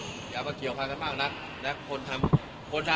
ฉันยังจะยอมพอเดินไม่ได้เพราะสื่อทุกคนต้องเข้าใจ